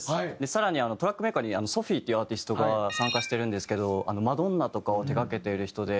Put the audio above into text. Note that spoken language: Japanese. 更にトラックメーカーにＳＯＰＨＩＥっていうアーティストが参加してるんですけどマドンナとかを手がけている人で。